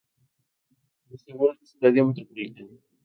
Vestíbulo Estadio Metropolitano